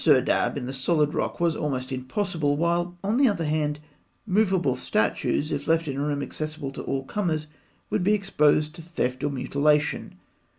] To form a serdab in the solid rock was almost impossible; while on the other hand, movable statues, if left in a room accessible to all comers, would be exposed to theft or mutilation.